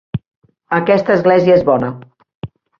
Aquesta església és bona.